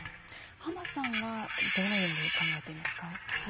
浜さんはどのように考えていますか。